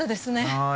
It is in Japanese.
はい。